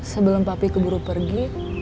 sebelum papi keburu pergi